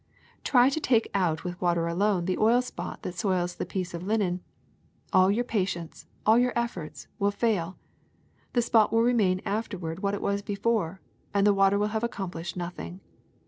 Try to take out with water alone the oil spot that soils a piece of linen : all your patience, all your efforts, will fail ; the spot will remain afterward what it was before, and the water will have accomplished nothing.